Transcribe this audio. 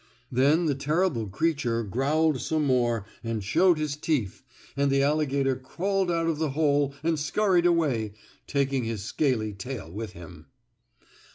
Then the terrible creature growled some more and showed his teeth and the alligator crawled out of the hole and scurried away, taking his scaly tail with him.